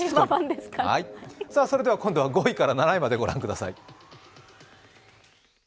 それでは、今度は５位から７位までを御覧ください。